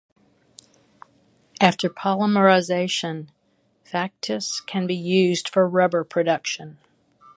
After polymerization, factice can be used for rubber production.